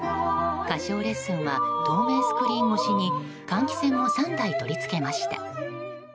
歌唱レッスンは透明スクリーン越しに換気扇も３台、取り付けました。